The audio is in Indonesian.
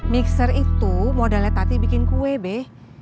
mikser itu modalnya tati bikin kue be